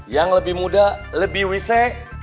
yang lebih muda lebih rese